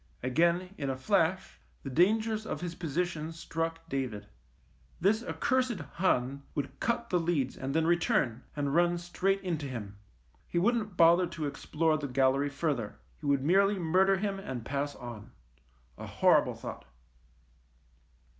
Again, in a flash, the dangers of his position struck David. This accursed Hun would cut the leads and then return, and run straight into him. He wouldn't bother to explore the gallery further. He would merely murder him, and pass on. A horrible thought.